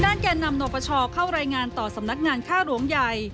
ด้านแก่นำโนปชอบ์เข้ารายงานต่อสำนักงานค่ารวงใหญ่